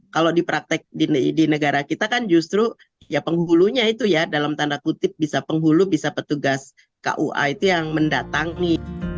kalau di praktek di negara kita kan justru ya penghulunya itu ya dalam tanda kutip bisa penghulu bisa petugas kua itu yang mendatangi